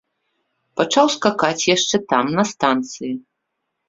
Пачаў скакаць яшчэ там, на станцыі.